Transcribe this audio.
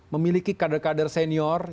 memiliki kader kader senior